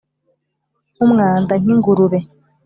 nkumwanda nk'ingurube